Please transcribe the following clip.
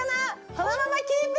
このままキープ！